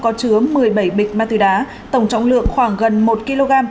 có chứa một mươi bảy bịch ma túy đá tổng trọng lượng khoảng gần một kg